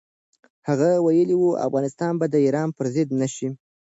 هغه ویلي و، افغانستان به د ایران پر ضد نه شي.